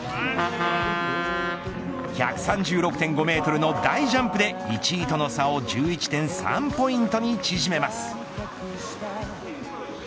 １３６．５メートルの大ジャンプで１位との差を１１．３ポイントに縮めます。